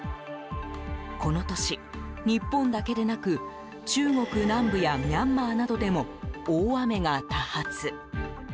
この年、日本だけでなく中国南部やミャンマーなどでも大雨が多発。